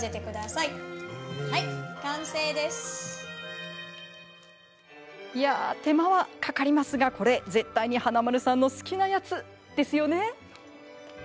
いやあ、手間はかかりますがこれ絶対に華丸さんの好きなやつです。